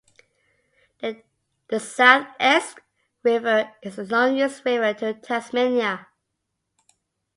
The South Esk River is the longest river in Tasmania.